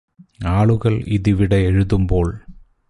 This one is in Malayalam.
ആളുകള് ഇതിവിടെ എഴുതുമ്പോൾ